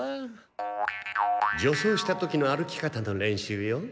女装した時の歩き方の練習よ。